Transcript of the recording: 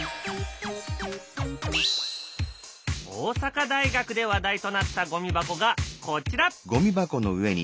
大阪大学で話題となったゴミ箱がこちら！